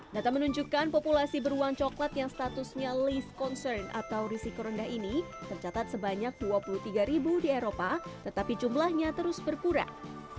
data menunjukkan populasi beruang coklat yang statusnya list concern atau risiko rendah ini tercatat sebanyak dua puluh tiga ribu di eropa tetapi jumlahnya terus berkurang